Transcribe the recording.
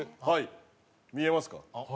はい見えますか？